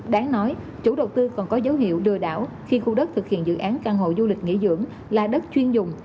đáng nói chủ đầu tư còn có dấu hiệu lừa đảo khi khu đất thực hiện dự án căn hộ du lịch nghỉ dưỡng là đất chuyên dùng